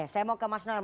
saya mau ke mas noel